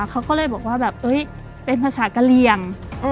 เขาก็เลยบอกว่าแบบเป็นภาษากะเหลี่ยง